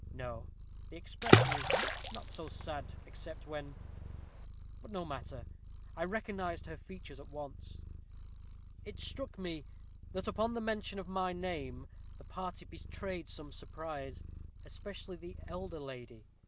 No the expression is not so sad, except when but no matter! I recognized her features at once. "It struck me, that upon the mention of my name, the party betrayed some surprise, especially the elder lady.